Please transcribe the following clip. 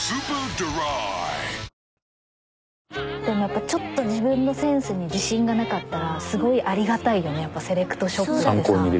でもやっぱちょっと自分のセンスに自信がなかったらすごいありがたいよねセレクトショップってさ。